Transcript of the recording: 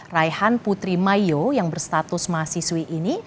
raihan putri mayo yang berstatus mahasiswi ini